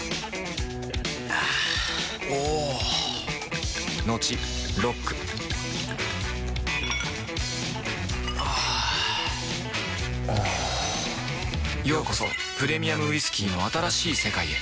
あぁおぉトクトクあぁおぉようこそプレミアムウイスキーの新しい世界へ